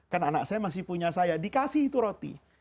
kan anak saya masih punya saya dikasih itu roti